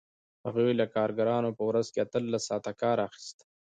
هغوی له کارګرانو په ورځ کې اتلس ساعته کار اخیست